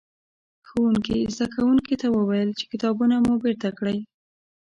ښوونکي؛ زدکوونکو ته وويل چې کتابونه مو بېرته کړئ.